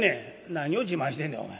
「何を自慢してんねんお前。